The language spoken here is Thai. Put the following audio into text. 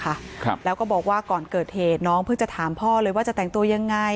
ครับแล้วก็บอกว่าก่อนเกิดเหตุน้องเพิ่งจะถามพ่อเลยว่าจะแต่งตัวยังไง